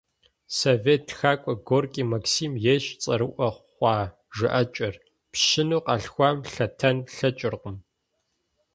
Совет тхакӀуэ Горький Максим ейщ цӀэрыӀуэ хъуа жыӀэкӀэр: «Пщыну къалъхуам лъэтэн лъэкӀыркъым».